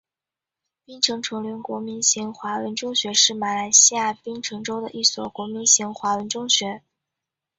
槟城锺灵国民型华文中学是马来西亚槟城州的一所国民型华文中学。